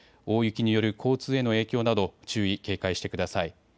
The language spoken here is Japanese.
大雪による交通への影響など注意、警戒してください。